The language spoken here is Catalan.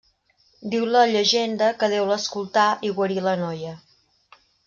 Diu la llegenda que Déu l'escoltà i guarí la noia.